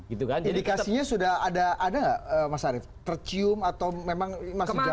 indikasinya sudah ada nggak mas arief tercium atau memang masih jauh panggangan dari hp